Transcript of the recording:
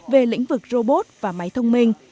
về lĩnh vực robot và máy thông minh